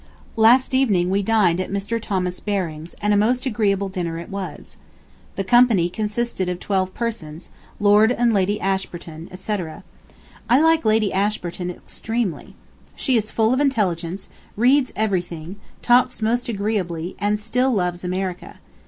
Last evening we dined at Mr. Thomas Baring's, and a most agreeable dinner it was. The company consisted of twelve persons, Lord and Lady Ashburton, etc. I like Lady Ashburton extremely. She is full of intelligence, reads everything, talks most agreeably, and still loves America.